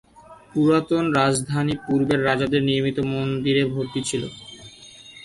পুরাতন রাজধানী পূর্বের রাজাদের নির্মিত মন্দিরে ভর্তি ছিল।